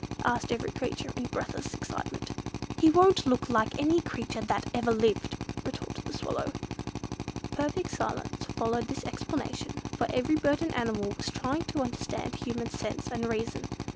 asked every creature in breathless excitement. "He won't look like any creature that ever lived," retorted the Swallow. Perfect silence followed this explanation, for every bird and animal was trying to understand human sense and reason.